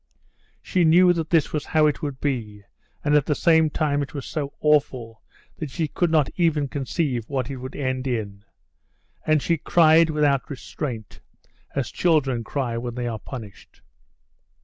She knew that this was how it would be, and at the same time it was so awful that she could not even conceive what it would end in. And she cried without restraint, as children cry when they are punished.